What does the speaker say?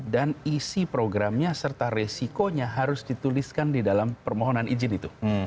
dan isi programnya serta resikonya harus dituliskan di dalam permohonan izin itu